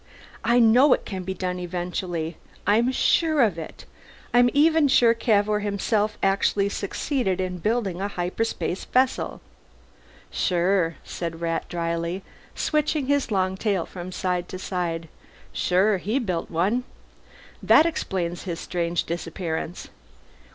"I know it can be done eventually. I'm sure of it. I'm even sure Cavour himself actually succeeded in building a hyperspace vessel." "Sure," Rat said drily, switching his long tail from side to side. "Sure he built one. That explains his strange disappearance.